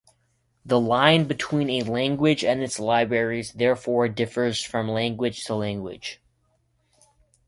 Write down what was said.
The line between a language and its libraries therefore differs from language to language.